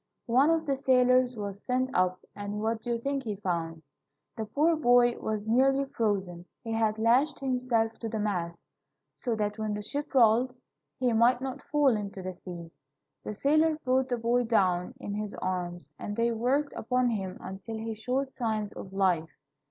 One of the sailors was sent up, and what do you think he found? The poor boy was nearly frozen. He had lashed himself to the mast, so that when the ship rolled, he might not fall into the sea. The sailor brought the boy down in his arms, and they worked upon him until he showed signs of life.